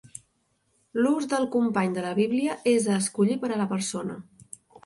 L'ús del "company de la Bíblia" és a escollir per a la persona.